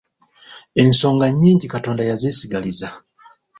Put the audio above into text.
Ensonga nnyingi Katonda yazeesigaliza.